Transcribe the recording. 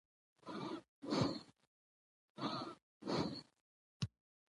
ازادي راډیو د اقلیتونه په اړه د سیمه ییزو ستونزو حل لارې راوړاندې کړې.